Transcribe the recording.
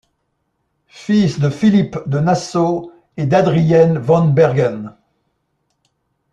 Fils de Philippe de Nassau et d'Adrienne von Bergen.